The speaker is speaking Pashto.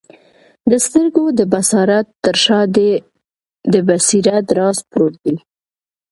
د سترګو د بصارت تر شاه دي د بصیرت راز پروت دی